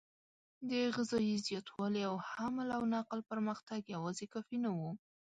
د غذایي زیاتوالي او حمل او نقل پرمختګ یواځې کافي نه و.